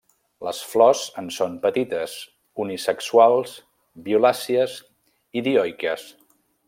Les flors en són petites, unisexuals, violàcies i dioiques.